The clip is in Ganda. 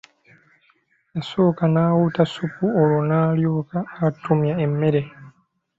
Yasooka n'awuuta ssupu olwo n'alyoka atumya emmere.